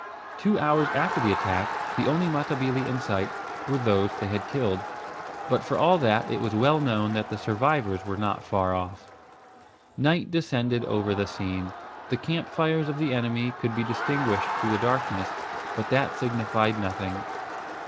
Two hours after the attack the only Matabili in sight were those they had killed, but for all that it was well known that the survivors were not far off. Night descended over the scene. The camp fires of the enemy could be distinguished through the darkness; but that signified nothing.